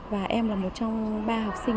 và em là một trong ba học sinh